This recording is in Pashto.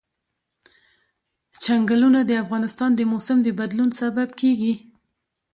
چنګلونه د افغانستان د موسم د بدلون سبب کېږي.